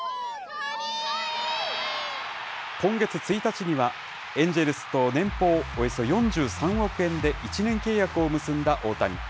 今月１日には、エンジェルスと年俸およそ４３億円で１年契約を結んだ大谷。